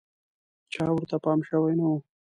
چا ورته پام شوی نه و.